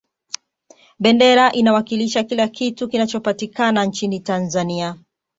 bendera inawakilisha kila kitu kinachopatikana nchini tanzania